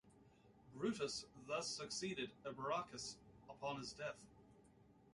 Brutus thus succeeded Ebraucus upon his death.